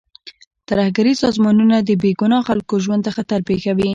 ترهګریز سازمانونه د بې ګناه خلکو ژوند ته خطر پېښوي.